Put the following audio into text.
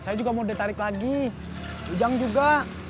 saya juga mau ditarik lagi ujang juga